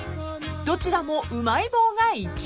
［どちらもうまい棒が１位］